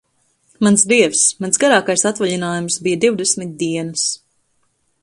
Mans Dievs, mans garākais atvaļinājums bija divdesmit dienas.